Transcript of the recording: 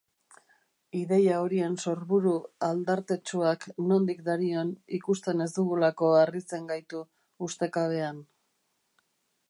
Ideia horien sorburu aldartetsuak nondik darion ikusten ez dugulako harritzen gaitu ustekabean.